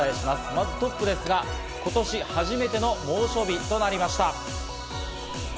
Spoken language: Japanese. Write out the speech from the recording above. まずトップですが、今年初めての猛暑日となりました。